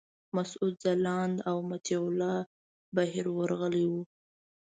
مسعود ځلاند او مطیع الله بهیر ورغلي وو.